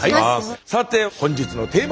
さて本日のテーマです。